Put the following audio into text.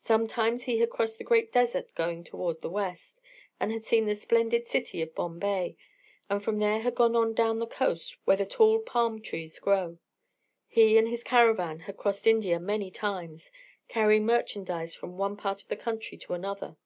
Sometimes he had crossed the great desert going toward the west, and had seen the splendid city of Bombay, and from there had gone on down the coast where the tall palm trees grow. He and his caravan had crossed India many times, carrying merchandise from one part of the country to another.